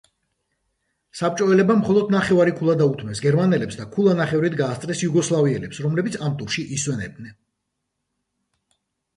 საბჭოელებმა მხოლოდ ნახევარი ქულა დაუთმეს გერმანელებს და ქულანახევრით გაასწრეს იუგოსლავიელებს, რომლებიც ამ ტურში ისვენებდნენ.